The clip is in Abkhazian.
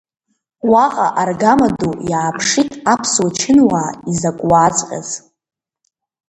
Уаҟа аргамаду иааԥшит аԥсуа чынуаа изакә уааҵәҟьаз.